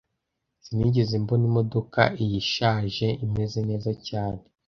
Sinigeze mbona imodoka iyi ishaje imeze neza cyane